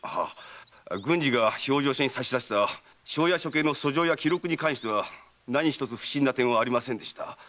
郡司が評定所に差し出した庄屋処刑の訴状や記録には何ひとつ不審な点はありませんでした。